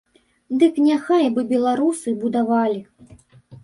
Дык няхай бы беларусы будавалі!